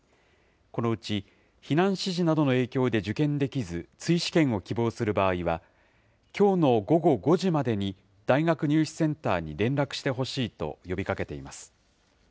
このうち避難指示などの影響で受験できず、追試験を希望する場合は、きょうの午後５時までに、大学入試センターに連絡してほしいと呼びかけています。